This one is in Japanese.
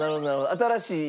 新しい。